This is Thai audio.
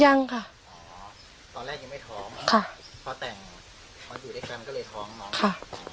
ยังค่ะตอนแรกยังไม่ท้องก็เลยท้องน้องค่ะ